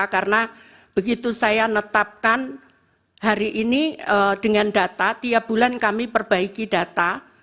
karena begitu saya menetapkan hari ini dengan data tiap bulan kami perbaiki data